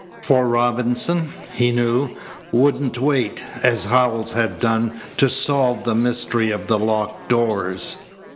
For Robinson, he knew, wouldn't wait as Howells had done to solve the mystery of the locked doors.